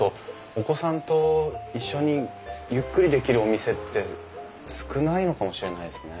お子さんと一緒にゆっくりできるお店って少ないのかもしれないですね。